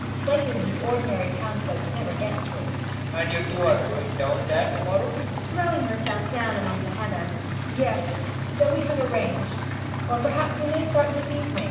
Places your ordinary town folk could never get through PROFESSOR RUBEK. And you two are going down there to morrow? MAIA. [Throwing herself down among the heather.] Yes, so we have arranged. Or perhaps we may start this evening.